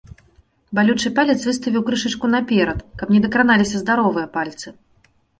Балючы палец выставіў крышачку наперад, каб не дакраналіся здаровыя пальцы.